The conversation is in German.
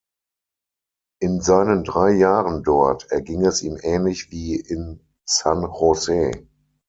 In seinen drei Jahren dort erging es ihm ähnlich wie in San Jose.